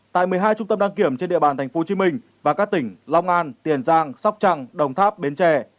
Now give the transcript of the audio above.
tại một mươi hai trung tâm đăng kiểm trên địa bàn tp hcm và các tỉnh long an tiền giang sóc trăng đồng tháp bến tre